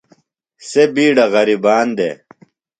سےۡ بِیڈہ غریبان دے۔